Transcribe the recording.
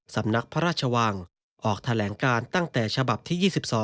สำนักพระราชวังออกแถลงการตั้งแต่ฉบับที่๒๒